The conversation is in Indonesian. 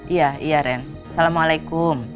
iya ren assalamualaikum